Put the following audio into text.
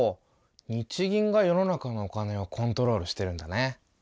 日銀が世の中のお金をコントロールしてるんだね。